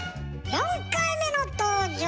４回目の登場